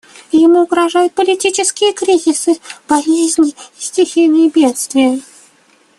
Ему угрожают политические кризисы, болезни и стихийные бедствия.